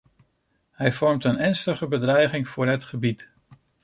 Hij vormt een ernstige bedreiging voor het gebied.